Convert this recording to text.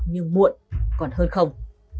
nhưng muộn còn hơn không